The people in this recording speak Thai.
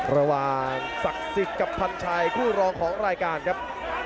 ศักดิ์สิทธิ์กับพันชัยคู่รองของรายการครับ